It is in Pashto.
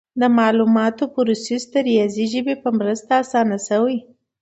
د معلوماتو پروسس د ریاضي ژبې په مرسته اسانه شوی.